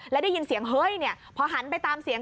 แล้วได้ยินเสียงเฮ้ยพอหันไปตามเสียง